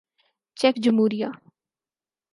check جمہوریہ